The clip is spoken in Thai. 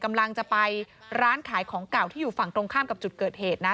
กำลังจะไปร้านขายของเก่าที่อยู่ฝั่งตรงข้ามกับจุดเกิดเหตุนะ